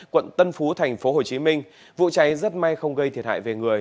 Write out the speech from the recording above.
quận tân phú tp hcm vụ cháy rất may không gây thiệt hại về người